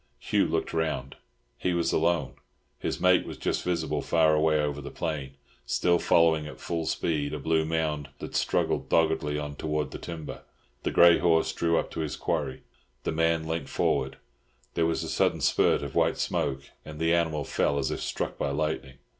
Hugh looked round. He was alone; his mate was just visible far away over the plain, still following at full speed a blue mound that struggled doggedly on towards the timber. The grey horse drew up to his quarry, the man leant forward, there was a sudden spurt of white smoke, and the animal fell as if struck by lightning.